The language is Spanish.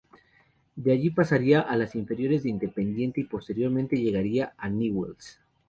De allí pasaría a las inferiores de Independiente y posteriormente llegaría a Newell´s.